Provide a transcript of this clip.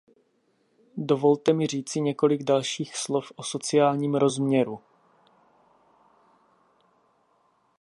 Dovolte mi říci několik dalších slov o sociálním rozměru.